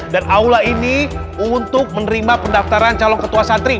dan aula ini untuk menerima pendaftaran calon ketua santri